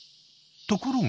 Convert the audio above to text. ところが。